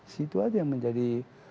situ aja yang menjadi